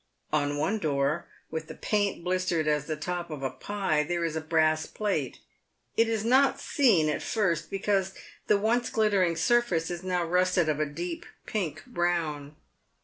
On one door, with the paint blis tered as the top of a pie, there is a brass plate. It is not seen at first, because the once glittering surface is now rusted of a deep pink brown.